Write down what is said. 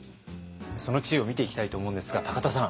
その知恵を見ていきたいと思うんですが田さん。